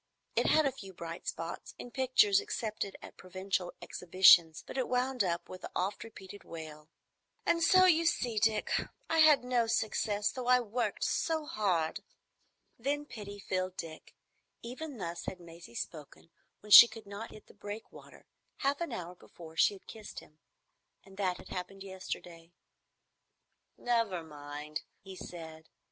It had a few bright spots, in pictures accepted at provincial exhibitions, but it wound up with the oft repeated wail, "And so you see, Dick, I had no success, though I worked so hard." Then pity filled Dick. Even thus had Maisie spoken when she could not hit the breakwater, half an hour before she had kissed him. And that had happened yesterday. "Never mind," he said.